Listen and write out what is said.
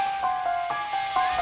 umi aku mau ke rumah